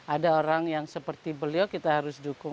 ada orang yang seperti beliau kita harus dukung